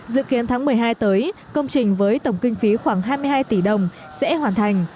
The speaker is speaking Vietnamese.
dự kiến tháng một mươi hai tới công trình với tổng kinh phí khoảng hai mươi hai tỷ đồng sẽ hoàn thành